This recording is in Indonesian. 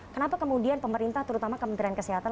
kenapa kemudian pemerintah terutama kementerian kesehatan